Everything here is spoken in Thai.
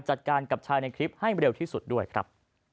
จัดการกับชายในคลิปให้เร็วที่สุดด้วยครับ